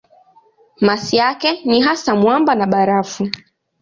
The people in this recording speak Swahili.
Masi yake ni hasa mwamba na barafu.